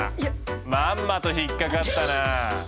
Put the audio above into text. まんまと引っ掛かったな。